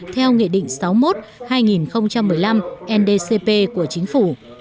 theo nghị định sáu mươi một hai nghìn một mươi năm ndcp của chính phủ